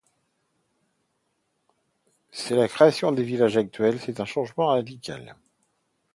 C’est la création des villages actuels, un changement radical.